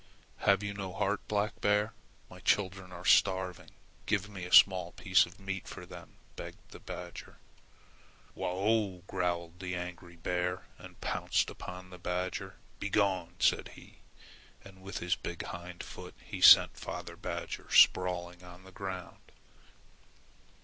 "Have you no heart, Black Bear? My children are starving. Give me a small piece of meat for them," begged the badger. "Wa ough!" growled the angry bear, and pounced upon the badger. "Be gone!" said he, and with his big hind foot he sent father badger sprawling on the ground.